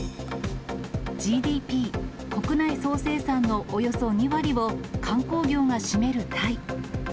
ＧＤＰ・国内総生産のおよそ２割を観光業が占めるタイ。